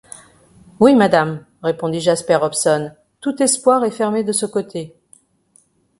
Oui, madame, répondit Jasper Hobson, tout espoir est fermé de ce côté.